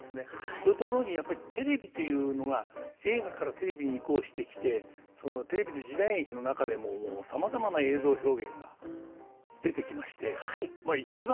それと同時にやっぱりテレビというのが映画からテレビに移行してきてそのテレビの時代劇の中でももうさまざまな映像表現が出てきまして一番